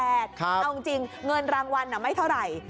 เอาจริงเงินรางวัลไม่เท่าไหร่